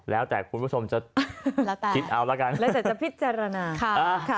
แล้วแต่คุณผู้ชมจะคิดเอาแล้วกันแล้วจะพิจารณาค่ะ